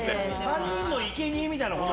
３人のいけにえみたいなこと？